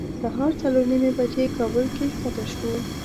سهار څلور نیمې بجې کابل کې ښکته شوو.